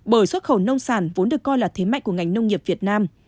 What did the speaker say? bởi xuất khẩu nông sản vốn được coi là thế mạnh của ngành nông nghiệp việt nam